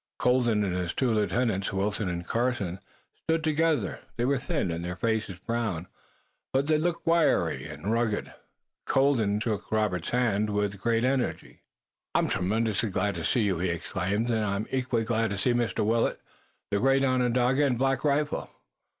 Colden, and his two lieutenants, Wilton and Carson, stood together. They were thin, and their faces brown, but they looked wiry and rugged. Colden shook Robert's hand with great energy. "I'm tremendously glad to see you," he exclaimed, "and I'm equally glad to see Mr. Willet, the great Onondaga, and Black Rifle.